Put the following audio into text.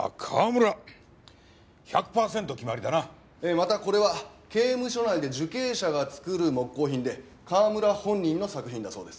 またこれは刑務所内で受刑者が作る木工品で川村本人の作品だそうです。